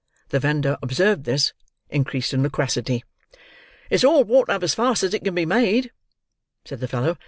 The vendor observing this, increased in loquacity. "It's all bought up as fast as it can be made," said the fellow.